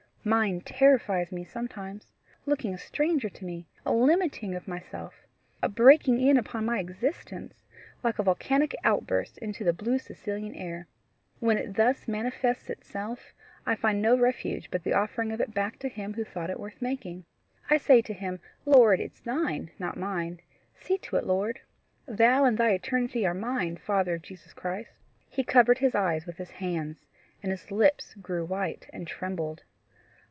Mine terrifies me sometimes looking a stranger to me a limiting of myself a breaking in upon my existence like a volcanic outburst into the blue Sicilian air. When it thus manifests itself, I find no refuge but the offering of it back to him who thought it worth making. I say to him: 'Lord, it is thine, not mine; see to it, Lord. Thou and thy eternity are mine, Father of Jesus Christ.'" He covered his eyes with his hands, and his lips grew white, and trembled.